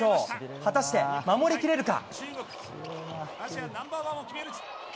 果たして守り切れるか。